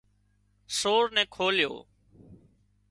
سور نين کوليو